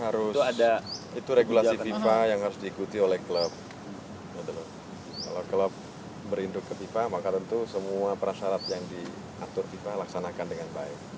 harus ada itu regulasi fifa yang harus diikuti oleh klub berinduk ke fifa maka tentu semua prasyarat yang diatur fifa laksanakan dengan baik